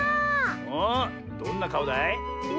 おっどんなかおだい？